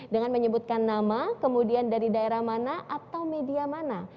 dengan menyebutkan nama kemudian dari daerah mana atau media mana